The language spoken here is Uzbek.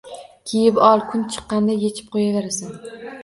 Kiyib ol, kun chiqqanda yechib qoʻyaverasan.